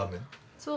そう。